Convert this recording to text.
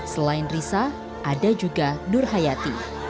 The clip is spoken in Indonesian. selain risa ada juga nur hayati